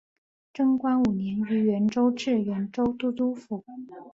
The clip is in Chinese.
贞观五年于原州置原州都督府。